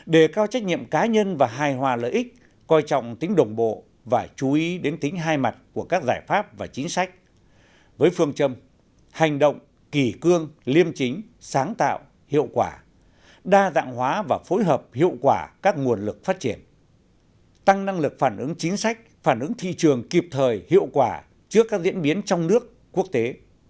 đề cao trách nhiệm cá nhân và hài hòa lợi ích coi trọng tính đồng bộ và chú ý đến tính hai mặt của các giải pháp và chính sách với phương châm hành động kỳ cương liêm chính sáng tạo hiệu quả đa dạng hóa và phối hợp hiệu quả các nguồn lực phát triển tăng năng lực phản ứng chính sách phản ứng thị trường kịp thời hiệu quả trước các diễn biến trong nước quốc tế